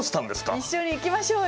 一緒に行きましょうよ。